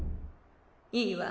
いいわ。